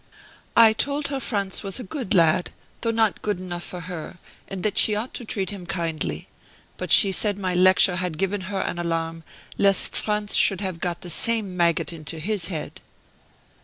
"I told her Franz was a good lad, though not good enough for her, and that she ought to treat him kindly. But she said my lecture had given her an alarm, lest Franz should have got the same maggot into his head."